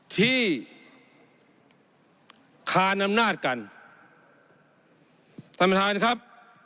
ที่คานอำนาจกันท่านประธานครับ